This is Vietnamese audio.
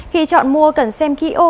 khi chọn mua cần xem khi ô